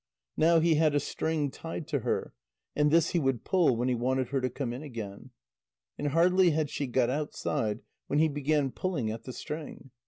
Now he had a string tied to her, and this he would pull when he wanted her to come in again. And hardly had she got outside when he began pulling at the string.